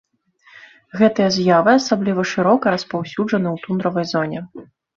Гэтыя з'явы асабліва шырока распаўсюджаны ў тундравай зоне.